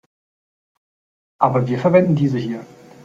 Aber wir verwenden diese hier.